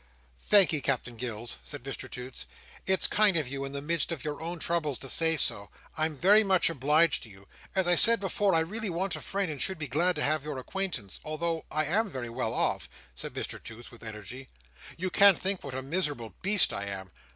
"Thankee, Captain Gills," said Mr Toots, "it's kind of you, in the midst of your own troubles, to say so. I'm very much obliged to you. As I said before, I really want a friend, and should be glad to have your acquaintance. Although I am very well off," said Mr Toots, with energy, "you can't think what a miserable Beast I am.